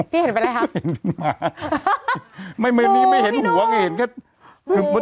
เห็นเป็นอะไรคะไม่มีไม่เห็นหัวไงเห็นแค่